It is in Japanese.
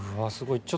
すごい。